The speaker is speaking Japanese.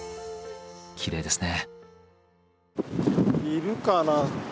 きれいですね。